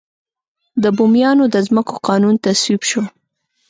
د بوميانو د ځمکو قانون تصویب شو.